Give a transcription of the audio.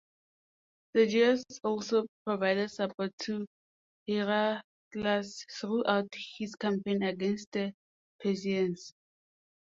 Sergius also provided support to Heraclius throughout his campaign against the Persians.